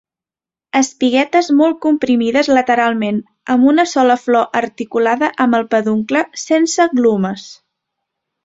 Espiguetes molt comprimides lateralment, amb una sola flor articulada amb el peduncle, sense glumes.